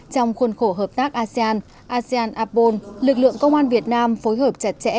trong khuôn khổ hợp tác asean asean apol lực lượng công an việt nam phối hợp chặt chẽ